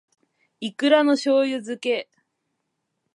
いくらの醬油漬け